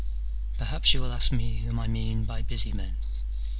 Perhaps you will ask me whom I mean by " busy men